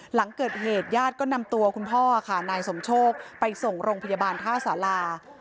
หลังเกิดเหตุญาติก็นำตัวคุณพ่อค่ะนายสมโชคไปส่งโรงพยาบาลท่าสารา